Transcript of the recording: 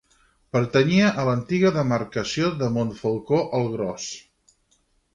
Pertanyia a l'antiga demarcació de Montfalcó el Gros.